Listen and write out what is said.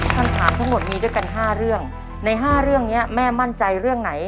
คำถามทั้งหมดมีด้วยกัน๕เรื่องใน๕เรื่องนี้แม่มั่นใจเรื่องไหน